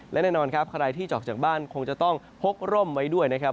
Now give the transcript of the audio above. และแน่นอนครับใครที่จะออกจากบ้านคงจะต้องพกร่มไว้ด้วยนะครับ